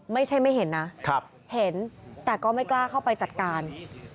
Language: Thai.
ไม่ใช่ไม่เห็นนะเห็นแต่ก็ไม่กล้าเข้าไปจัดการ